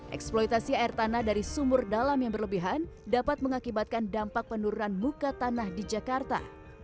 eksploitasi air tanah dari sumur dalam yang berlebihan dapat mengakibatkan dampak penurunan muka tanah di jakarta